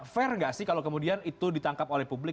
fair nggak sih kalau kemudian itu ditangkap oleh publik